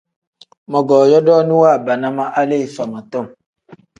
Mogoo yodooni waabana ma hali ifama tom.